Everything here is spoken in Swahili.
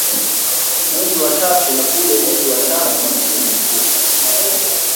Mwezi wa tatu na ule mwezi wa Tano na msimu mfupi